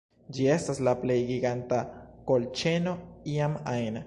Ĝi estas la plej giganta kolĉeno iam ajn